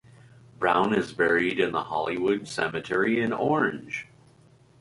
Brown is buried in the Hollywood Cemetery in Orange.